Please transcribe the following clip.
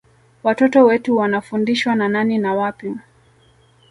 Watoto wetu wanafundishwa na nani na wapi